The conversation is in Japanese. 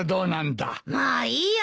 もういいよ。